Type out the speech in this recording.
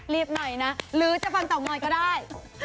หน่อยนะหรือจะฟังเตางอยก็ได้